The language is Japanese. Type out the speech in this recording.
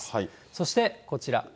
そしてこちら。